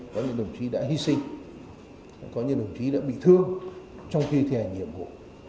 các cán bộ chiến sĩ đã hy sinh có những đồng chí đã bị thương trong khi thi hành nhiệm vụ